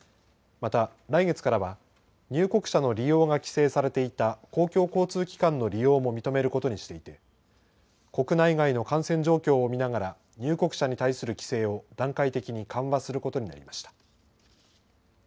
また来月からは入国者の利用が規制されていた公共交通機関の利用も認めることにしていて国内外の感染状況を見ながら入国者に対する規制を段階的に緩和することになりました。